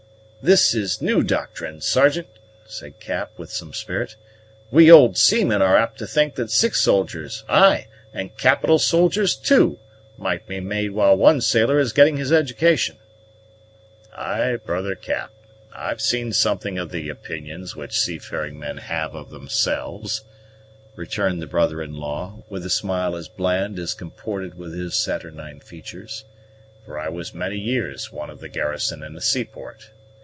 "This is new doctrine, Sergeant," said Cap with some spirit. "We old seamen are apt to think that six soldiers, ay, and capital soldiers too, might be made while one sailor is getting his education." "Ay, brother Cap, I've seen something of the opinions which seafaring men have of themselves," returned the brother in law, with a smile as bland as comported with his saturnine features; "for I was many years one of the garrison in a seaport.